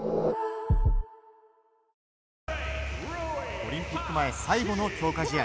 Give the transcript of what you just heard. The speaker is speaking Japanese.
オリンピック前最後の強化試合。